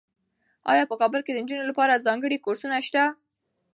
ایا په کابل کې د نجونو لپاره ځانګړي کورسونه شته؟